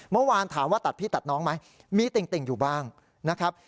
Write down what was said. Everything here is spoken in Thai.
เมื่อวานถามว่าตัดพี่ตัดน้องไหมมีติ่งอยู่บ้างนะครับ